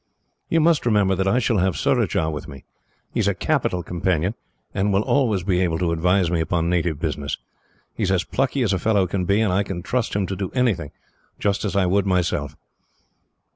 You must remember that I shall have Surajah with me. He is a capital companion, and will always be able to advise me upon native business. He is as plucky as a fellow can be, and I can trust him to do anything, just as I would myself."